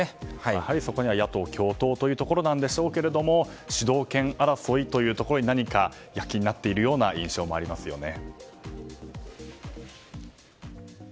やはりそこには野党共闘というというところなんでしょうけど主導権争いというところに躍起になっている印象もありますよね。